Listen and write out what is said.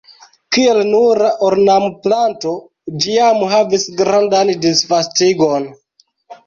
Kiel nura ornamplanto ĝi jam havis grandan disvastigon.